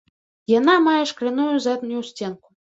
Яна мае шкляную заднюю сценку.